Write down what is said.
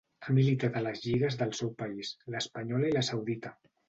Ha militat a les lligues del seu país, l'espanyola i la saudita.